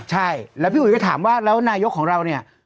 ใช่แล้วพี่อุ๋ยก็ถามว่าแล้วนายกของเราเนี่ย